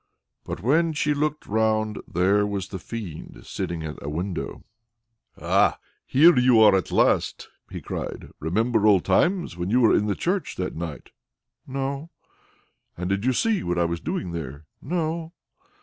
But when she looked round there was the Fiend sitting at a window. "Ha! here you are, at last!" he cried. "Remember old times. Were you in the church that night?" "No." "And did you see what I was doing there?" "No."